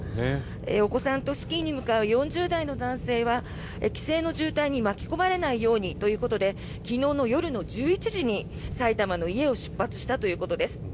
お子さんとスキーに向かう４０代の男性は帰省の渋滞に巻き込まれないようにということで昨日の夜の１１時に埼玉の家を出発したということです。